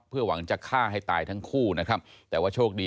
เพื่อหวังจะฆ่าให้ตายทั้งคู่นะครับแต่ว่าโชคดี